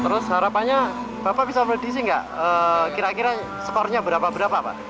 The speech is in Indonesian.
terus harapannya bapak bisa prediksi nggak kira kira skornya berapa berapa pak